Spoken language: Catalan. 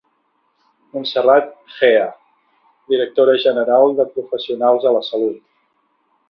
Montserrat Gea, directora general de Professionals de la Salut.